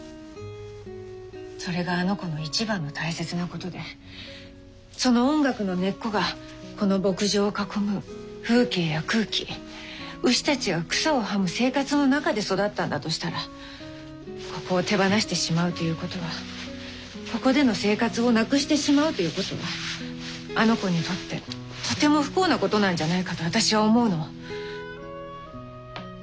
それがあの子の一番の大切なことでその音楽の根っこがこの牧場を囲む風景や空気牛たちが草をはむ生活の中で育ったんだとしたらここを手放してしまうということはここでの生活をなくしてしまうということはあの子にとってとても不幸なことなんじゃないかと私は思うの。